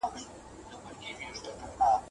د یو شاعر د ژوند تاریخ باید سم وي.